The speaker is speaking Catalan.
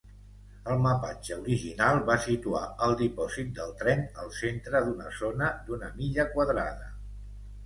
El mapatge original va situar el dipòsit del tren al centre d'una zona d'una milla quadrada.